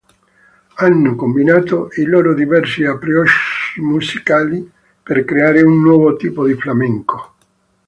Hanno combinato i loro diversi approcci musicali per creare un nuovo tipo di flamenco.